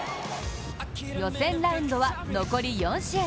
予選ラウンドは残り４試合。